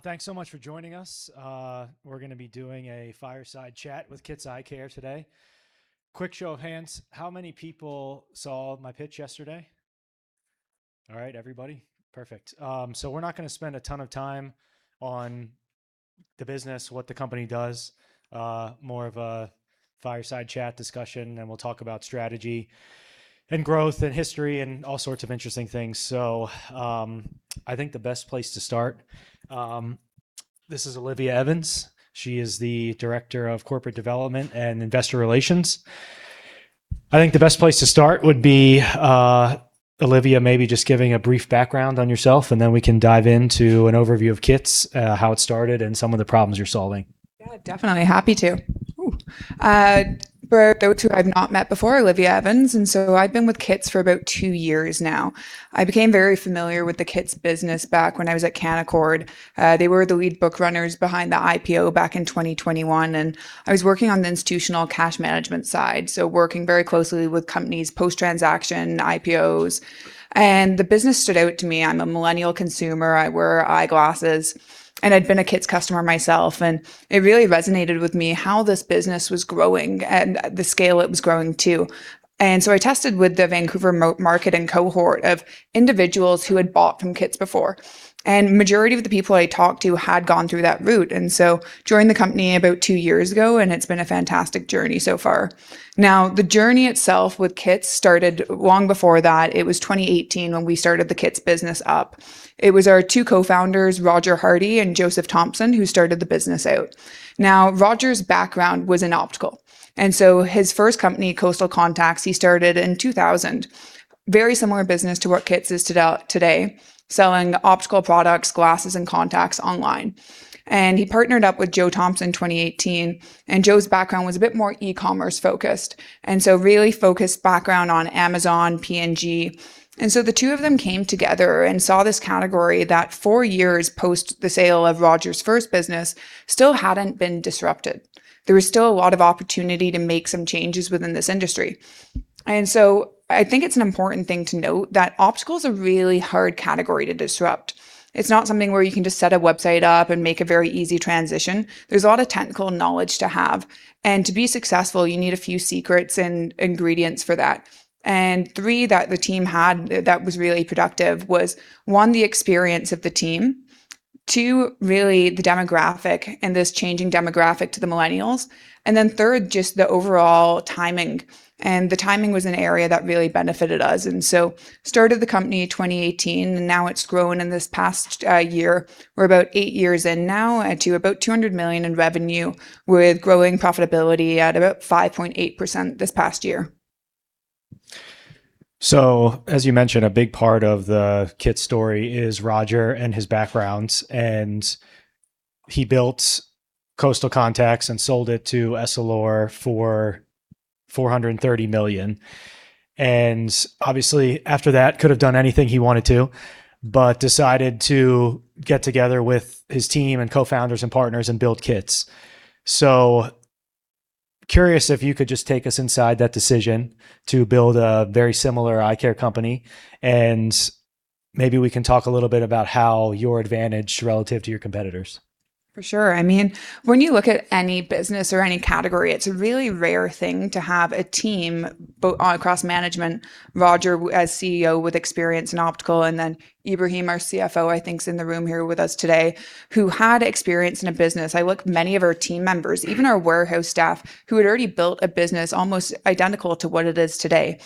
Thanks so much for joining us. We're going to be doing a fireside chat with Kits Eyecare today. Quick show of hands, how many people saw my pitch yesterday? All right, everybody. Perfect. We're not going to spend a ton of time on the business, what the company does. More of a fireside chat discussion, and we'll talk about strategy and growth and history and all sorts of interesting things. I think the best place to start, this is Olivia Evans. She is the Director of Corporate Development and Investor Relations. I think the best place to start would be, Olivia, maybe just giving a brief background on yourself, and then we can dive into an overview of Kits, how it started, and some of the problems you're solving. Yeah, definitely. Happy to. For those who have not met before, Olivia Evans, I've been with Kits for about two years now. I became very familiar with the Kits business back when I was at Canaccord. They were the lead book runners behind the IPO back in 2021. I was working on the institutional cash management side, so working very closely with companies post-transaction, IPOs, and the business stood out to me. I'm a millennial consumer. I wear eyeglasses, I'd been a Kits customer myself, and it really resonated with me how this business was growing and the scale it was growing to. I tested with the Vancouver market and cohort of individuals who had bought from Kits before, majority of the people I talked to had gone through that route. Joined the company about two years ago, and it's been a fantastic journey so far. The journey itself with Kits started long before that. It was 2018 when we started the Kits business up. It was our two co-founders, Roger Hardy and Joseph Thompson, who started the business out. Roger's background was in optical, his first company, Coastal Contacts, he started in 2000. Very similar business to what Kits is today, selling optical products, glasses, and contacts online. He partnered up with Joe Thompson in 2018. Joe's background was a bit more e-commerce focused, really focused background on Amazon, P&G. The two of them came together and saw this category that four years post the sale of Roger's first business still hadn't been disrupted. There was still a lot of opportunity to make some changes within this industry. I think it's an important thing to note that optical's a really hard category to disrupt. It's not something where you can just set a website up and make a very easy transition. There's a lot of technical knowledge to have. To be successful, you need a few secrets and ingredients for that. Three that the team had that was really productive was, one, the experience of the team. Two, really the demographic and this changing demographic to the millennials. Third, just the overall timing, the timing was an area that really benefited us. Started the company in 2018, now it's grown in this past year. We're about eight years in now to about 200 million in revenue with growing profitability at about 5.8% this past year. As you mentioned, a big part of the Kits story is Roger and his background. He built Coastal Contacts and sold it to Essilor for 430 million. Obviously, after that, could have done anything he wanted to, but decided to get together with his team and co-founders and partners and build Kits. Curious if you could just take us inside that decision to build a very similar eyecare company, and maybe we can talk a little bit about how your advantage relative to your competitors. For sure. When you look at any business or any category, it's a really rare thing to have a team across management, Roger as CEO with experience in optical, and then Ibrahim, our CFO, I think is in the room here with us today, who had experience in a business. I look many of our team members, even our warehouse staff, who had already built a business almost identical to what it is today.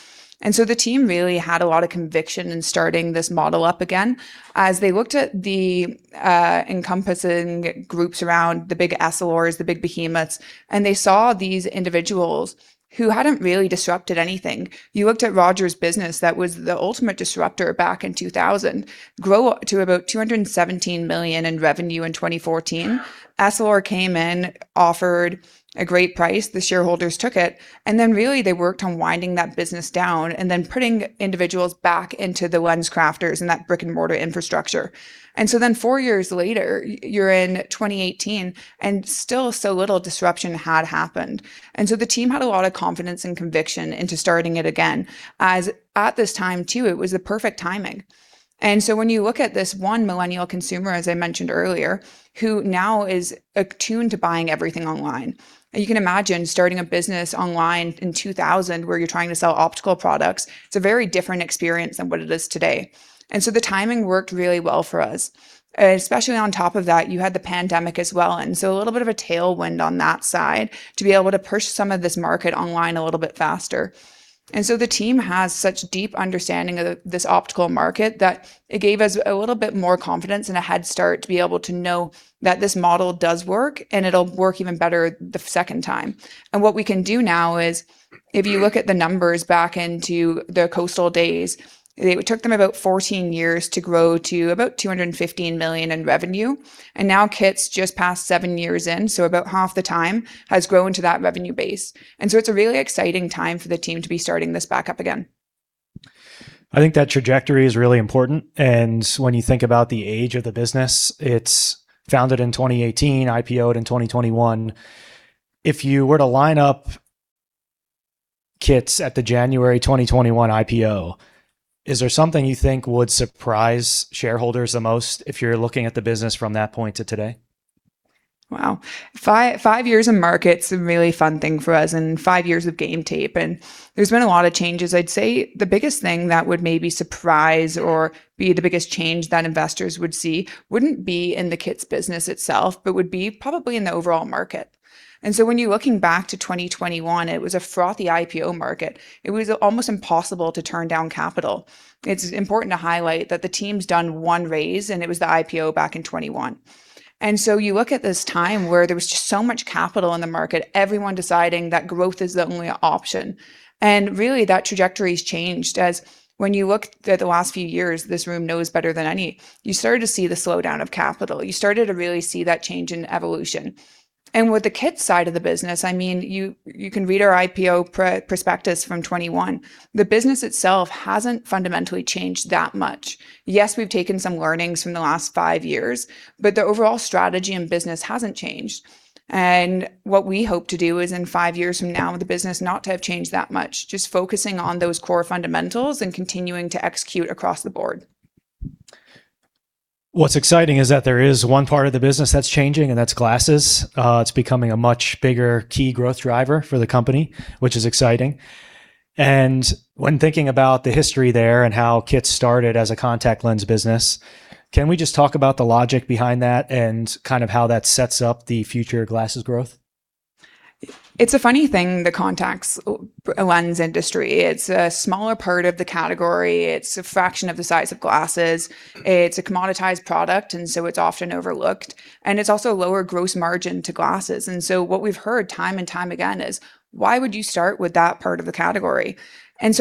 The team really had a lot of conviction in starting this model up again. As they looked at the encompassing groups around, the big Essilors, the big behemoths, and they saw these individuals who hadn't really disrupted anything. You looked at Roger's business, that was the ultimate disruptor back in 2000, grow to about 217 million in revenue in 2014. Essilor came in, offered a great price. The shareholders took it, then really, they worked on winding that business down and then putting individuals back into the LensCrafters and that brick-and-mortar infrastructure. Four years later, you're in 2018, and still so little disruption had happened. The team had a lot of confidence and conviction into starting it again, as at this time, too, it was the perfect timing. When you look at this one millennial consumer, as I mentioned earlier, who now is attuned to buying everything online, and you can imagine starting a business online in 2000 where you're trying to sell optical products, it's a very different experience than what it is today. The timing worked really well for us, especially on top of that, you had the pandemic as well, and so a little bit of a tailwind on that side to be able to push some of this market online a little bit faster. The team has such deep understanding of this optical market that it gave us a little bit more confidence and a head start to be able to know that this model does work and it'll work even better the second time. What we can do now is, if you look at the numbers back into the Coastal days, it took them about 14 years to grow to about 215 million in revenue. Now Kits, just past seven years in, so about half the time, has grown to that revenue base. It's a really exciting time for the team to be starting this back up again. I think that trajectory is really important, and when you think about the age of the business, it's founded in 2018, IPO'd in 2021. If you were to line up Kits at the January 2021 IPO, is there something you think would surprise shareholders the most if you're looking at the business from that point to today? Wow. Five years in market's a really fun thing for us, and five years of game tape, and there's been a lot of changes. I'd say the biggest thing that would maybe surprise or be the biggest change that investors would see wouldn't be in the Kits business itself, but would be probably in the overall market. When you're looking back to 2021, it was a frothy IPO market. It was almost impossible to turn down capital. It's important to highlight that the team's done one raise, and it was the IPO back in 2021. You look at this time where there was just so much capital in the market, everyone deciding that growth is the only option. That trajectory's changed as when you look at the last few years, this room knows better than any, you started to see the slowdown of capital. You started to really see that change in evolution. With the Kits side of the business, you can read our IPO prospectus from 2021. The business itself hasn't fundamentally changed that much. Yes, we've taken some learnings from the last five years, but the overall strategy and business hasn't changed. What we hope to do is in five years from now, the business not to have changed that much, just focusing on those core fundamentals and continuing to execute across the board. What's exciting is that there is one part of the business that's changing, and that's glasses. It's becoming a much bigger key growth driver for the company, which is exciting. When thinking about the history there and how Kits started as a contact lens business, can we just talk about the logic behind that and how that sets up the future glasses growth? It's a funny thing, the contact lens industry. It's a smaller part of the category. It's a fraction of the size of glasses. It's a commoditized product, and so it's often overlooked, and it's also lower gross margin to glasses. What we've heard time and time again is, Why would you start with that part of the category?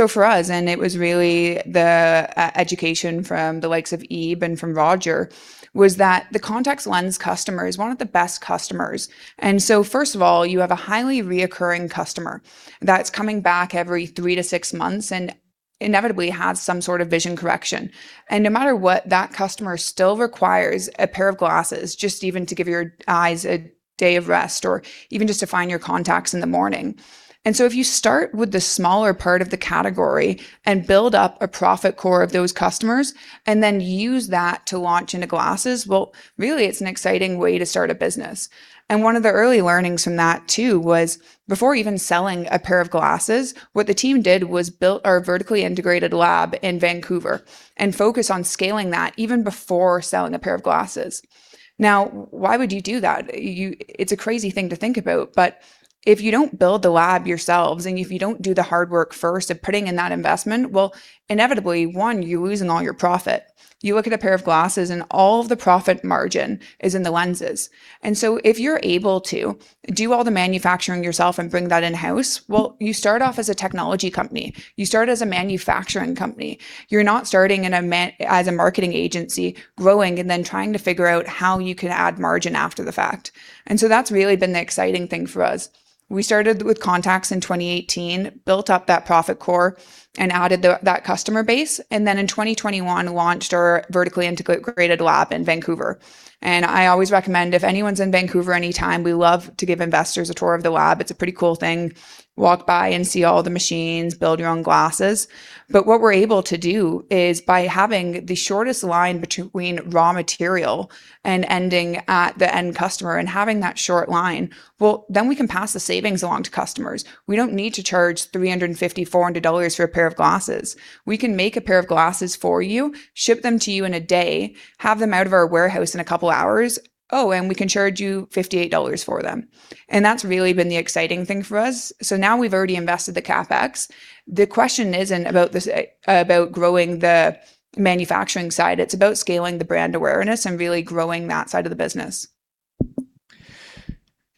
For us, and it was really the education from the likes of Ib and from Roger, was that the contact lens customer is one of the best customers. First of all, you have a highly reoccurring customer that's coming back every three to six months and inevitably has some sort of vision correction. No matter what, that customer still requires a pair of glasses, just even to give your eyes a day of rest or even just to find your contacts in the morning. If you start with the smaller part of the category and build up a profit core of those customers and then use that to launch into glasses, well, really it's an exciting way to start a business. One of the early learnings from that, too, was before even selling a pair of glasses, what the team did was built our vertically integrated lab in Vancouver and focus on scaling that even before selling a pair of glasses. Now, why would you do that? It's a crazy thing to think about, if you don't build the lab yourselves, and if you don't do the hard work first of putting in that investment, well, inevitably, one, you're losing all your profit. You look at a pair of glasses and all of the profit margin is in the lenses. If you're able to do all the manufacturing yourself and bring that in-house, well, you start off as a technology company. You start as a manufacturing company. You're not starting as a marketing agency, growing and then trying to figure out how you can add margin after the fact. That's really been the exciting thing for us. We started with contacts in 2018, built up that profit core, and added that customer base, and then in 2021, launched our vertically integrated lab in Vancouver. I always recommend if anyone's in Vancouver anytime, we love to give investors a tour of the lab. It's a pretty cool thing, walk by and see all the machines, build your own glasses. What we're able to do is by having the shortest line between raw material and ending at the end customer and having that short line, we can pass the savings along to customers. We don't need to charge 350 dollars, 400 dollars for a pair of glasses. We can make a pair of glasses for you, ship them to you in a day, have them out of our warehouse in a couple of hours. We can charge you 58 dollars for them. That's really been the exciting thing for us. Now we've already invested the CapEx. The question isn't about growing the manufacturing side. It's about scaling the brand awareness and really growing that side of the business.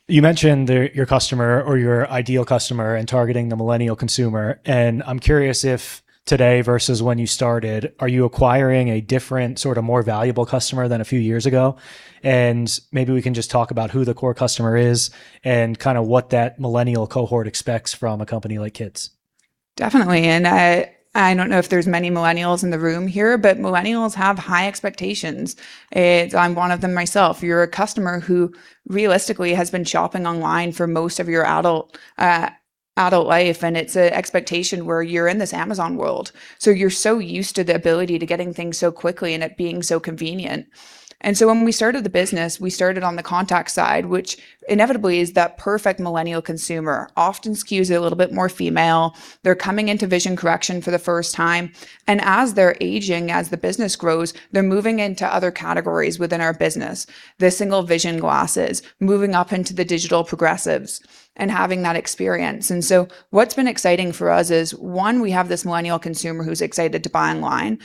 You mentioned your customer or your ideal customer and targeting the millennial consumer, I'm curious if today versus when you started, are you acquiring a different, more valuable customer than a few years ago? Maybe we can just talk about who the core customer is and what that millennial cohort expects from a company like Kits. Definitely. I don't know if there's many millennials in the room here, millennials have high expectations. I'm one of them myself. You're a customer who realistically has been shopping online for most of your adult life, and it's an expectation where you're in this Amazon world, you're so used to the ability to getting things so quickly and it being so convenient. When we started the business, we started on the contact side, which inevitably is that perfect millennial consumer, often skews a little bit more female. They're coming into vision correction for the first time, and as they're aging, as the business grows, they're moving into other categories within our business, the single vision glasses, moving up into the digital progressives, and having that experience. What's been exciting for us is, one, we have this millennial consumer who's excited to buy online,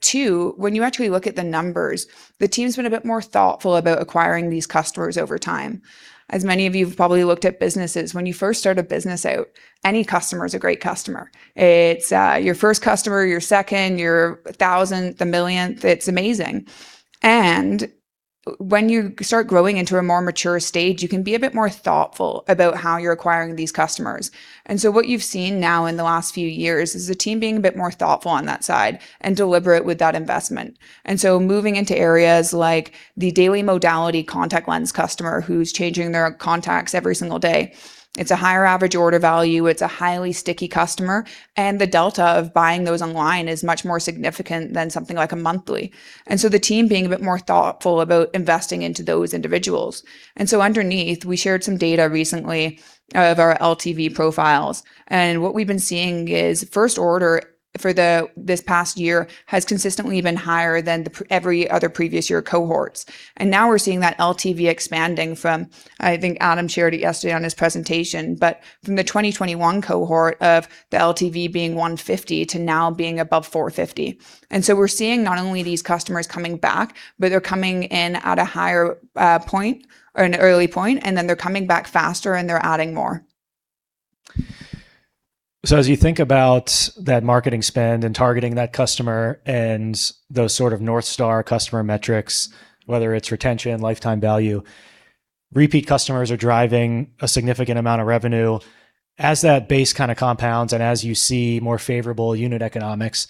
two, when you actually look at the numbers, the team's been a bit more thoughtful about acquiring these customers over time. As many of you have probably looked at businesses, when you first start a business out, any customer is a great customer. It's your first customer, your second, your thousandth, the millionth. It's amazing. When you start growing into a more mature stage, you can be a bit more thoughtful about how you're acquiring these customers. What you've seen now in the last few years is the team being a bit more thoughtful on that side and deliberate with that investment. Moving into areas like the daily modality contact lens customer who's changing their contacts every single day, it's a higher average order value, it's a highly sticky customer, the delta of buying those online is much more significant than something like a monthly. The team being a bit more thoughtful about investing into those individuals. Underneath, we shared some data recently of our LTV profiles, and what we've been seeing is first order for this past year has consistently been higher than every other previous year cohorts. Now we're seeing that LTV expanding from, I think Adam shared it yesterday on his presentation, but from the 2021 cohort of the LTV being 150 to now being above 450. We're seeing not only these customers coming back, but they're coming in at a higher point or an early point, then they're coming back faster and they're adding more. As you think about that marketing spend and targeting that customer and those sort of north star customer metrics, whether it's retention, lifetime value, repeat customers are driving a significant amount of revenue. As that base kind of compounds and as you see more favorable unit economics,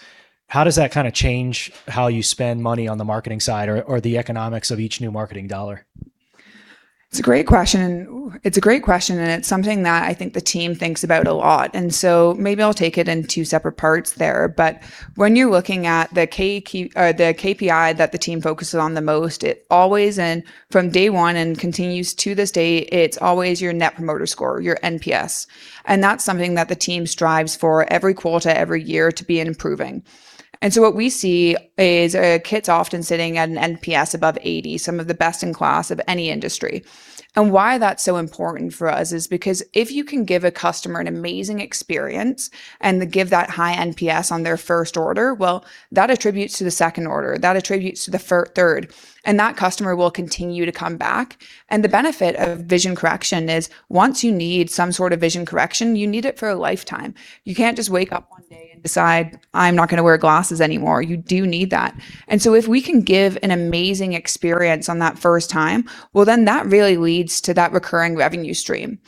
how does that kind of change how you spend money on the marketing side or the economics of each new marketing dollar? It's a great question, and it's something that I think the team thinks about a lot. Maybe I'll take it in two separate parts there. When you're looking at the KPI that the team focuses on the most, from day one and continues to this day, it's always your Net Promoter Score, your NPS. That's something that the team strives for every quarter, every year to be improving. What we see is Kits often sitting at an NPS above 80, some of the best in class of any industry. Why that's so important for us is because if you can give a customer an amazing experience and give that high NPS on their first order, well, that attributes to the second order, that attributes to the third, and that customer will continue to come back. The benefit of vision correction is once you need some sort of vision correction, you need it for a lifetime. You can't just wake up one day and decide, I'm not going to wear glasses anymore. You do need that. If we can give an amazing experience on that first time, that really leads to that recurring revenue stream.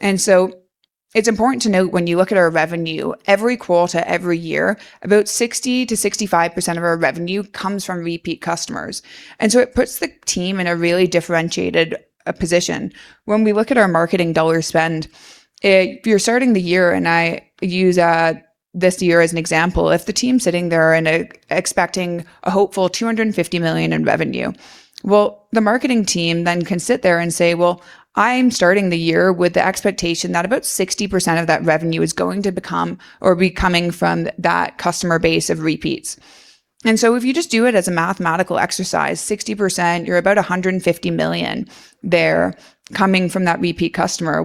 It's important to note when you look at our revenue, every quarter, every year, about 60%-65% of our revenue comes from repeat customers. It puts the team in a really differentiated position. When we look at our marketing dollar spend, if you're starting the year, and I use this year as an example, if the team's sitting there and expecting a hopeful 250 million in revenue, the marketing team then can sit there and say, I'm starting the year with the expectation that about 60% of that revenue is going to become or be coming from that customer base of repeats. If you just do it as a mathematical exercise, 60%, you're about 150 million there coming from that repeat customer.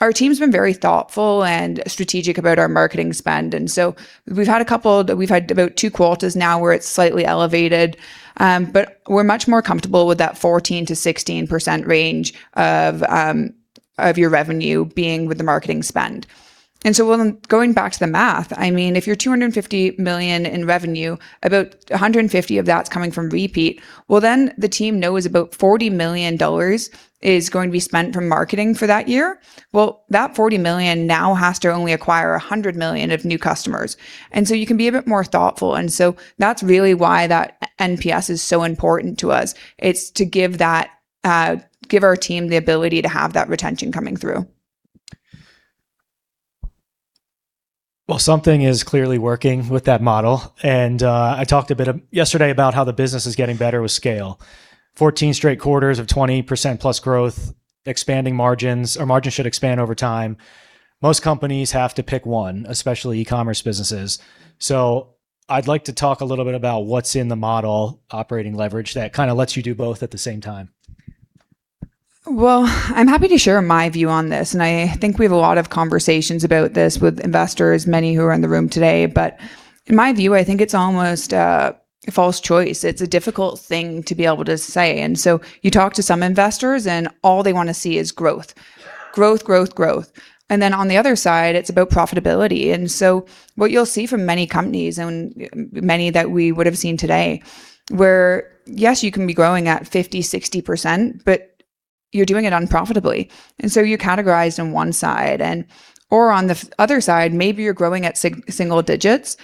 Our team's been very thoughtful and strategic about our marketing spend. We've had about two quarters now where it's slightly elevated, but we're much more comfortable with that 14%-16% range of your revenue being with the marketing spend. Going back to the math, if you're 250 million in revenue, about 150 million of that's coming from repeat. The team knows about 40 million dollars is going to be spent from marketing for that year. That 40 million now has to only acquire 100 million of new customers, you can be a bit more thoughtful. That's really why that NPS is so important to us. It's to give our team the ability to have that retention coming through. Something is clearly working with that model. I talked a bit yesterday about how the business is getting better with scale. 14 straight quarters of 20%+ growth, expanding margins, or margins should expand over time. Most companies have to pick one, especially e-commerce businesses. I'd like to talk a little bit about what's in the model operating leverage that kind of lets you do both at the same time. I'm happy to share my view on this, and I think we have a lot of conversations about this with investors, many who are in the room today. In my view, I think it's almost a false choice. It's a difficult thing to be able to say. You talk to some investors, and all they want to see is growth. Growth, growth. On the other side, it's about profitability. What you'll see from many companies and many that we would have seen today, where yes, you can be growing at 50%, 60%, but you're doing it unprofitably. You're categorized on one side. On the other side, maybe you're growing at single digits,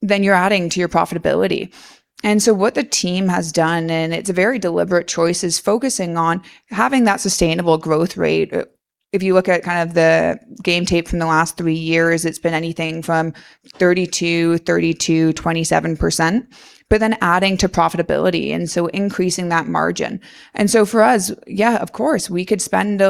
but then you're adding to your profitability. What the team has done, and it's a very deliberate choice, is focusing on having that sustainable growth rate. If you look at kind of the game tape from the last three years, it's been anything from 32%, 32%, 27%, but then adding to profitability, and so increasing that margin. For us, yeah, of course, we could spend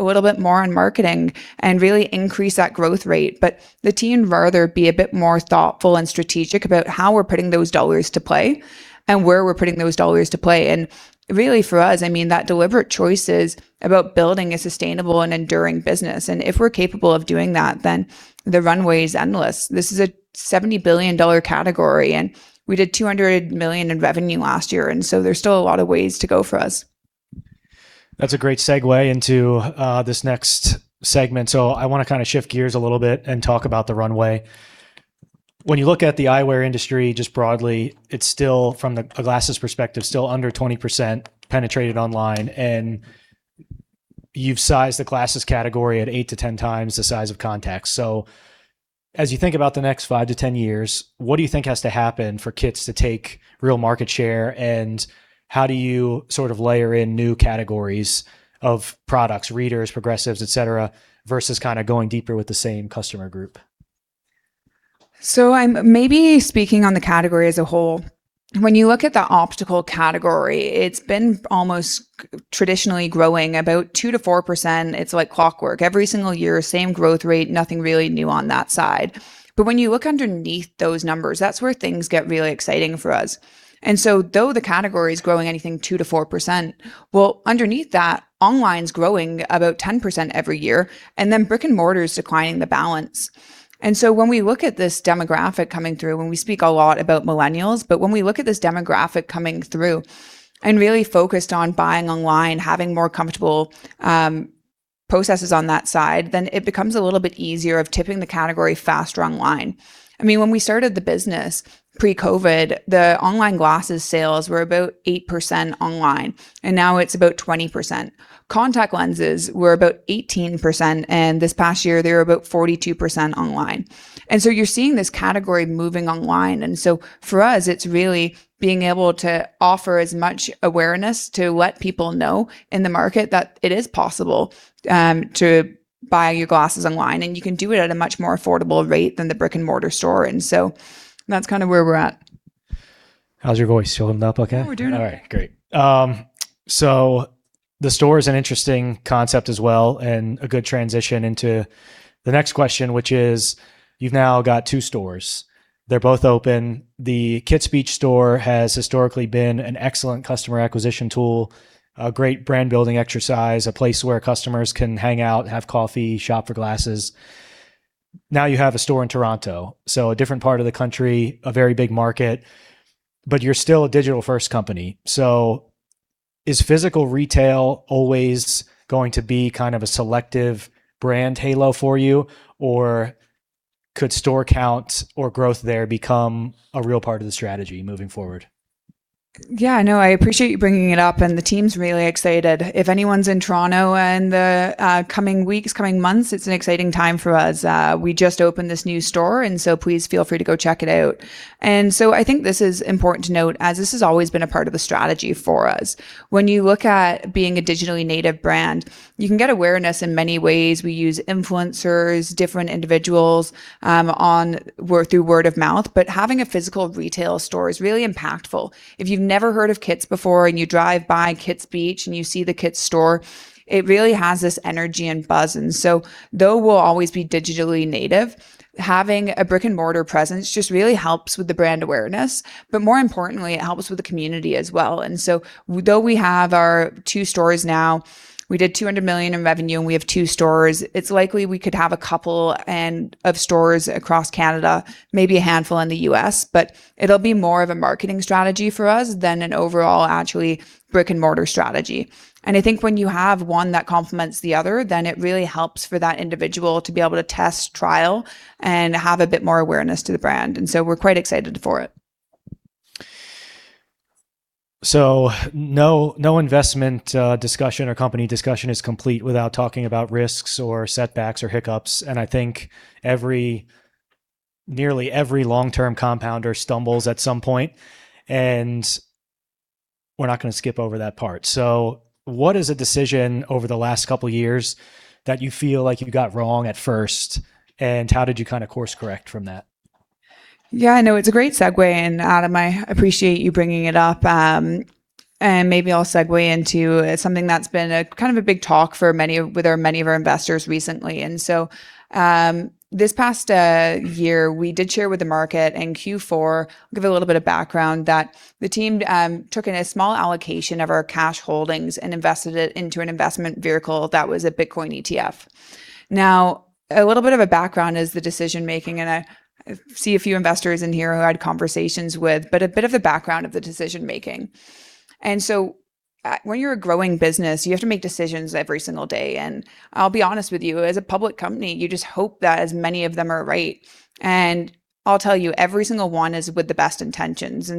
a little bit more on marketing and really increase that growth rate, but the team would rather be a bit more thoughtful and strategic about how we're putting those dollars to play and where we're putting those dollars to play. Really for us, that deliberate choice is about building a sustainable and enduring business. If we're capable of doing that, then the runway is endless. This is a 70 billion dollar category, and we did 200 million in revenue last year, and so there's still a lot of ways to go for us. That's a great segue into this next segment. I want to shift gears a little bit and talk about the runway. When you look at the eyewear industry, just broadly, it's still, from a glasses perspective, still under 20% penetrated online, and you've sized the glasses category at 8-10 times the size of contacts. As you think about the next 5-10 years, what do you think has to happen for Kits to take real market share, and how do you layer in new categories of products, readers, progressives, et cetera, versus going deeper with the same customer group? I'm maybe speaking on the category as a whole. When you look at the optical category, it's been almost traditionally growing about 2%-4%. It's like clockwork. Every single year, same growth rate, nothing really new on that side. When you look underneath those numbers, that's where things get really exciting for us. Though the category's growing anything 2%-4%, well, underneath that, online's growing about 10% every year, and then brick and mortar's declining the balance. When we look at this demographic coming through, and we speak a lot about millennials, but when we look at this demographic coming through and really focused on buying online, having more comfortable processes on that side, it becomes a little bit easier of tipping the category faster online. When we started the business pre-COVID, the online glasses sales were about 8% online, and now it's about 20%. Contact lenses were about 18%, and this past year, they were about 42% online. You're seeing this category moving online. For us, it's really being able to offer as much awareness to let people know in the market that it is possible to buy your glasses online, and you can do it at a much more affordable rate than the brick-and-mortar store. That's where we're at. How's your voice? You holding up okay? We're doing okay. All right. Great. The store is an interesting concept as well, and a good transition into the next question, which is, you've now got two stores. They're both open. The Kits Beach store has historically been an excellent customer acquisition tool, a great brand-building exercise, a place where customers can hang out, have coffee, shop for glasses. Now you have a store in Toronto, a different part of the country, a very big market, but you're still a digital-first company. Is physical retail always going to be a selective brand halo for you, or could store count or growth there become a real part of the strategy moving forward? Yeah, no, I appreciate you bringing it up, and the team's really excited. If anyone's in Toronto in the coming weeks, coming months, it's an exciting time for us. We just opened this new store. Please feel free to go check it out. I think this is important to note, as this has always been a part of the strategy for us. When you look at being a digitally native brand, you can get awareness in many ways. We use influencers, different individuals, through word of mouth, but having a physical retail store is really impactful. If you've never heard of Kits before and you drive by Kits Beach and you see the Kits store, it really has this energy and buzz. Though we'll always be digitally native, having a brick-and-mortar presence just really helps with the brand awareness, but more importantly, it helps with the community as well. Though we have our two stores now, we did 200 million in revenue and we have two stores, it's likely we could have a couple of stores across Canada, maybe a handful in the U.S., but it'll be more of a marketing strategy for us than an overall actually brick-and-mortar strategy. I think when you have one that complements the other, then it really helps for that individual to be able to test, trial, and have a bit more awareness to the brand. We're quite excited for it. No investment discussion or company discussion is complete without talking about risks or setbacks or hiccups, and I think nearly every long-term compounder stumbles at some point, and we're not going to skip over that part. What is a decision over the last couple years that you feel like you got wrong at first, and how did you course-correct from that? It's a great segue, Adam, I appreciate you bringing it up. Maybe I'll segue into something that's been a big talk with many of our investors recently. This past year, we did share with the market in Q4, I'll give a little bit of background, that the team took in a small allocation of our cash holdings and invested it into an investment vehicle that was a Bitcoin ETF. Now, a little bit of a background is the decision-making, and I see a few investors in here who I had conversations with, but a bit of the background of the decision-making. When you're a growing business, you have to make decisions every single day. I'll be honest with you, as a public company, you just hope that as many of them are right. I'll tell you, every single one is with the best intentions.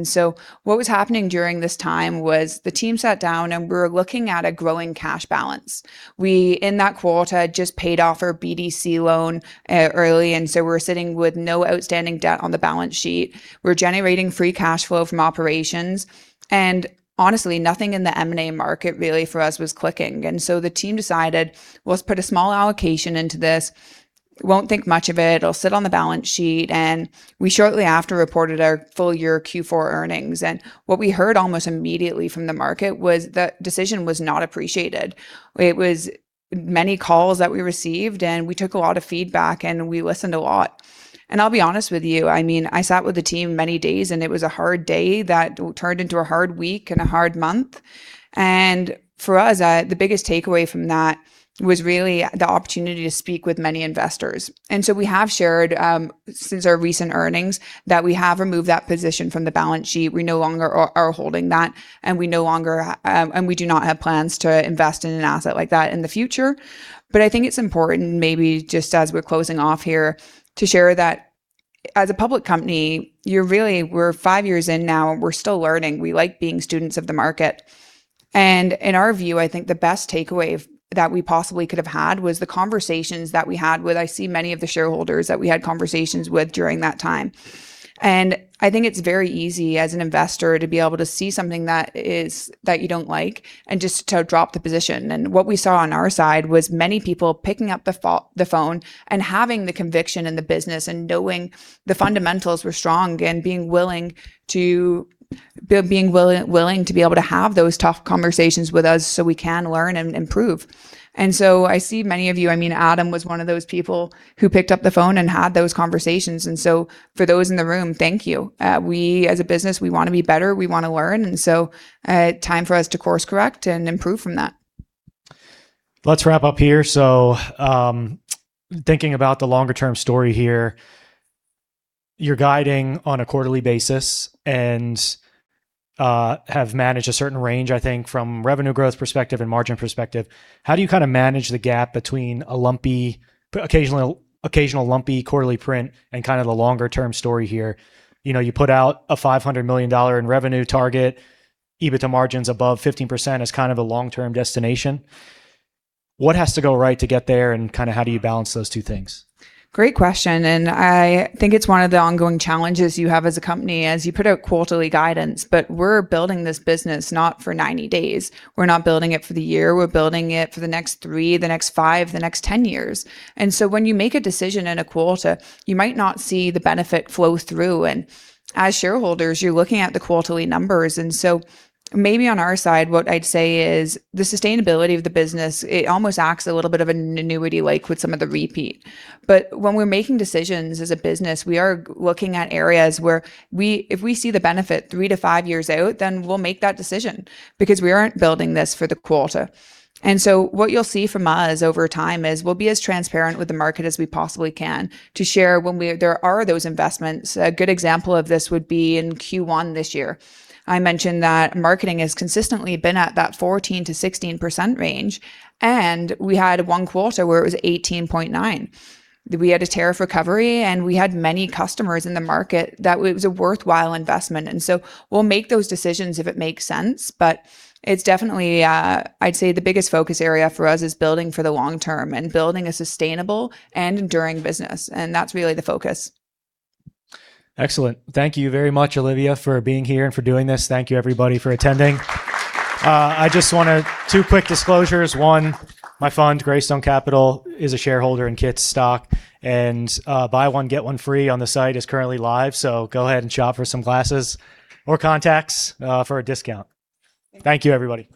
What was happening during this time was the team sat down, and we were looking at a growing cash balance. We, in that quarter, had just paid off our BDC loan early, and so we were sitting with no outstanding debt on the balance sheet. We were generating free cash flow from operations. Honestly, nothing in the M&A market really for us was clicking. The team decided, let's put a small allocation into this. Won't think much of it. It'll sit on the balance sheet. We shortly after reported our full year Q4 earnings. What we heard almost immediately from the market was the decision was not appreciated. It was many calls that we received, and we took a lot of feedback, and we listened a lot. I'll be honest with you, I sat with the team many days, and it was a hard day that turned into a hard week and a hard month. For us, the biggest takeaway from that was really the opportunity to speak with many investors. We have shared, since our recent earnings, that we have removed that position from the balance sheet. We no longer are holding that, and we do not have plans to invest in an asset like that in the future. I think it's important maybe just as we're closing off here to share that as a public company, we're five years in now, we're still learning. We like being students of the market. In our view, I think the best takeaway that we possibly could have had was the conversations that we had with, I see many of the shareholders that we had conversations with during that time. I think it's very easy as an investor to be able to see something that you don't like and just to drop the position. What we saw on our side was many people picking up the phone and having the conviction in the business and knowing the fundamentals were strong, and being willing to be able to have those tough conversations with us so we can learn and improve. I see many of you, Adam was one of those people who picked up the phone and had those conversations. For those in the room, thank you. We as a business, we want to be better, we want to learn, time for us to course-correct and improve from that. Let's wrap up here. Thinking about the longer-term story here, you're guiding on a quarterly basis and have managed a certain range, I think, from revenue growth perspective and margin perspective. How do you kind of manage the gap between occasional lumpy quarterly print and kind of the longer-term story here? You put out a 500 million dollar in revenue target, EBITDA margins above 15% as kind of a long-term destination. What has to go right to get there, and how do you balance those two things? Great question, I think it's one of the ongoing challenges you have as a company, as you put out quarterly guidance. We're building this business not for 90 days. We're not building it for the year. We're building it for the next three, the next five, the next 10 years. When you make a decision in a quarter, you might not see the benefit flow through. As shareholders, you're looking at the quarterly numbers. Maybe on our side, what I'd say is the sustainability of the business, it almost acts a little bit of an annuity like with some of the repeat. When we're making decisions as a business, we are looking at areas where if we see the benefit three to five years out, then we'll make that decision because we aren't building this for the quarter. What you'll see from us over time is we'll be as transparent with the market as we possibly can to share when there are those investments. A good example of this would be in Q1 this year. I mentioned that marketing has consistently been at that 14%-16% range, and we had one quarter where it was 18.9%. We had a tariff recovery, and we had many customers in the market that it was a worthwhile investment. We'll make those decisions if it makes sense. It's definitely, I'd say the biggest focus area for us is building for the long-term and building a sustainable and enduring business, and that's really the focus. Excellent. Thank you very much, Olivia, for being here and for doing this. Thank you everybody for attending. Two quick disclosures. One, my fund, Greystone Capital, is a shareholder in Kits stock, and buy one, get one free on the site is currently live. Go ahead and shop for some glasses or contacts for a discount. Thank you, everybody